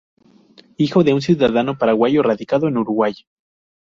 Hijo de un ciudadano paraguayo radicado en Uruguay.